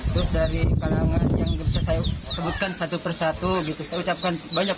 terus dari kalangan yang bisa saya sebutkan satu persatu gitu saya ucapkan banyak